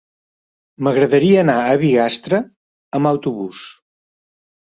M'agradaria anar a Bigastre amb autobús.